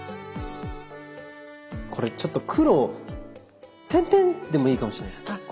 これちょっと黒点々でもいいかもしれないです。